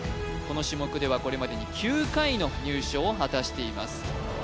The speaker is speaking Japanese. この種目ではこれまでに９回の入賞を果たしてます